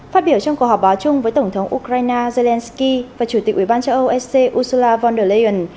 phát biểu trong cuộc họp báo chung với tổng thống ukraine zelenskyy và chủ tịch uban châu âu sc ursula von der leyen